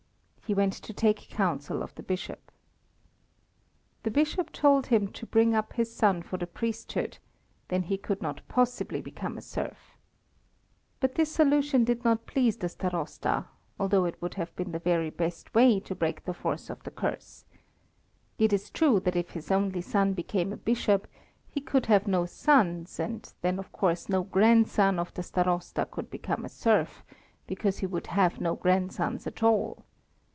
He went to take counsel of the Bishop. The Bishop told him to bring up his son for the priesthood, then he could not possibly become a serf. But this solution did not please the Starosta, although it would have been the very best way to break the force of the curse. It is true that if his only son became a bishop he could have no sons, and then of course no grandson of the Starosta could become a serf, because he would have no grandsons at all.